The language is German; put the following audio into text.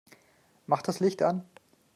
Mach das Licht an!